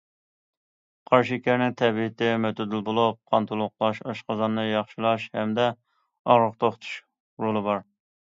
قارا شېكەرنىڭ تەبىئىتى مۆتىدىل بولۇپ، قان تولۇقلاش، ئاشقازاننى ياخشىلاش ھەمدە ئاغرىق توختىتىش رولى بار.